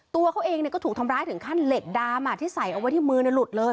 ตัวเขาเองก็ถูกทำร้ายถึงขั้นเหล็กดามที่ใส่เอาไว้ที่มือหลุดเลย